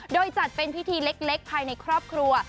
โดยจัดเป็นพิธีเล็กภายในครอบครัว